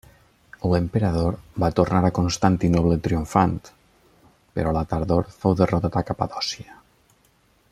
L'emperador va tornar a Constantinoble triomfant, però a la tardor fou derrotat a Capadòcia.